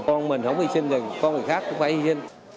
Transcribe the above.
con mình không hy sinh mình con người khác cũng phải hy sinh